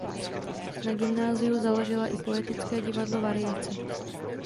Na gymnáziu založila i "Poetické divadlo Variace".